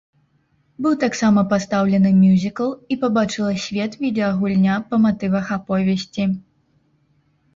Быў таксама пастаўлены мюзікл і пабачыла свет відэагульня па матывах аповесці.